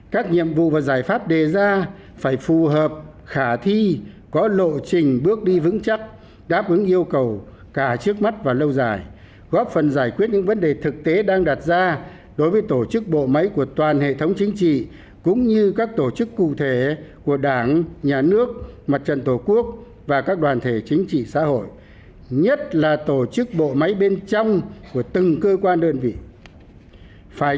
các nhiệm vụ và giải pháp đề ra phải phù hợp khả thi có lộ trình bước đi vững chắc đáp ứng yêu cầu cả trước mắt và lâu dài góp phần giải quyết những vấn đề thực tế đang đặt ra đối với tổ chức bộ máy của toàn hệ thống chính trị cũng như các tổ chức cụ thể của đảng nhà nước mặt trận tổ quốc và các đoàn thể chính trị xã hội nhất là tổ chức bộ máy bên trong của từng cơ quan đơn vị